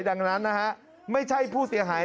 ดังนั้นนะฮะไม่ใช่ผู้เสียหาย